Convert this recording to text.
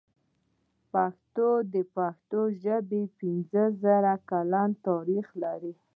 پښتون او پښتو ژبه پنځه زره کلن تاريخ لري.